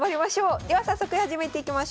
では早速始めていきましょう。